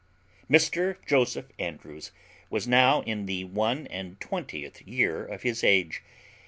Mr Joseph Andrews was now in the one and twentieth year of his age.